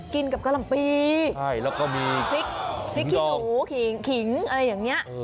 กินกับกะหล่ำปีใช่แล้วก็มีพริกขี้หนูขิงอะไรอย่างนี้